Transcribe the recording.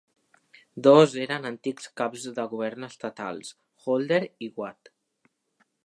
Dos eren antics caps de govern estatals: Holder i Watt.